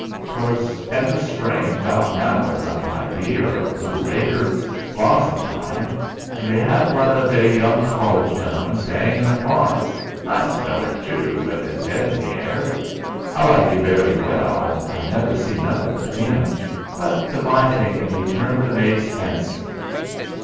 "'Twas in the spring, 'bout now as 't might be, or a little later blossom time an' we 'ad one o' they young college gentlemen stayin' at the farm nice feller tu, with 'is 'ead in the air. I liked '. very well, an' I never see nothin' between 'em, but to my thinkin' '. turned the maid's fancy."